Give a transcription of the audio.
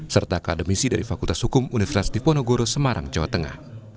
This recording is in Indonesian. serta akademisi dari fakultas hukum universitas diponegoro semarang jawa tengah